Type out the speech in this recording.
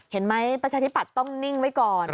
เห็นไหมประชาธิปาศต้องนิ่งไว้ก่อน